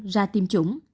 ra tiêm chủng